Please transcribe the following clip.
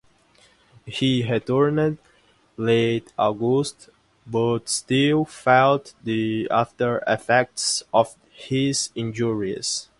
He returned late August, but still felt the after-effects of his injuries.